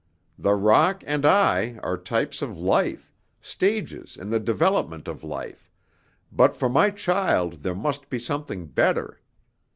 The rock and I are types of life, stages in the development of life, but for my child there must be something better.